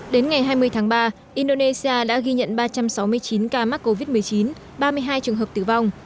đến ngày hai mươi tháng ba indonesia đã ghi nhận ba trăm sáu mươi chín ca mắc covid một mươi chín ba mươi hai trường hợp tử vong